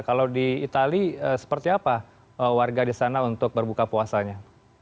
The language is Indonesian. kalau di itali seperti apa warga di sana untuk berbuka puasanya